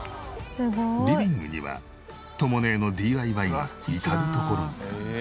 リビングにはとも姉のＤＩＹが至る所に。